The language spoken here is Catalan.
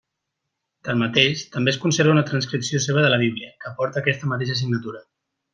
Tanmateix, també es conserva una transcripció seva de la Bíblia que porta aquesta mateixa signatura.